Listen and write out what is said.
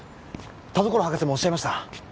田所博士もおっしゃいました